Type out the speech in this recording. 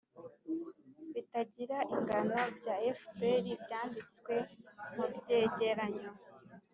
bitagira ingano bya fpr bwanditswe mu byegeranyo